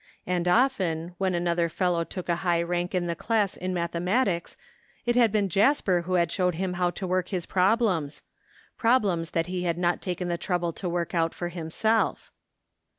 And often when another fellow took a high rank in the class in mathematics it had been Jasper who had showed him how to work his problems — ^problems that he had not taken the trouble to work out for himself.